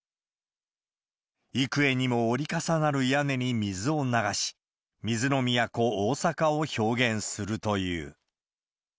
幾重にも折り重なる屋根に水を流し、水の都、大阪を表現するという。